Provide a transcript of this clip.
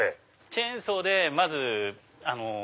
チェーンソーでまず木を。